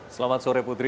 selamat sore putri